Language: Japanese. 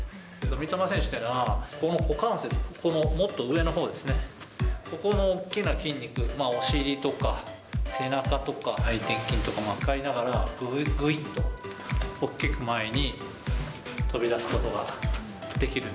三笘選手っていうのは、ここの股関節、ここのもっと上のほうですね、ここの大きな筋肉、お尻とか、背中とか、内転筋とか使いながら、ぐいっと大きく前に飛び出すことができる。